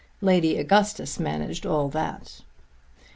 Lady Augustus managed all that.